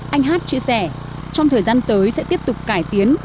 anh hát chia sẻ trong thời gian tới sẽ tiếp tục cải tiến